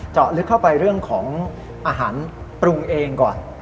เจาะลึกเข้าไปเรื่องของอาหารปรุงเองก่อน